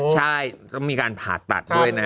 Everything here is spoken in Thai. ใช่ก็มีการผ่าตัดด้วยนะ